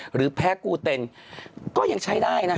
หรือแพ้กูเต็นก็ยังใช้ได้นะคะ